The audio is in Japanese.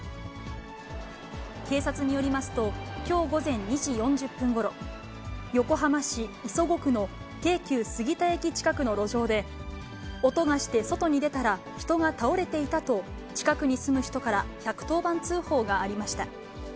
警察によりますと、きょう午前２時４０分ごろ、横浜市磯子区の京急杉田駅近くの路上で、音がして外に出たら人が倒れていたと、近くに住む人から１１０番通報がありました。